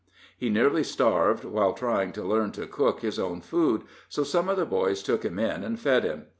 He nearly starved while trying to learn to cook his own food, so some of the boys took him in and fed him.